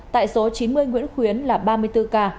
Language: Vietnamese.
tại số chín mươi nguyễn khuyến là ba mươi bốn k